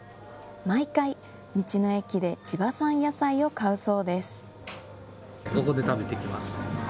毎回、道の駅で地場産野菜を買うそうです。